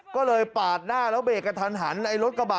ก็เลยปาดหน้าแล้วเบรกกระทันหันไอ้รถกระบะ